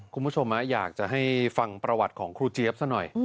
คุณผู้ชมอยากจะให้ฟังประวัติของครูเจี๊ยบซะหน่อย